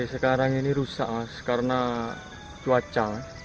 sekarang ini rusak mas karena cuaca